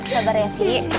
sabar ya sisi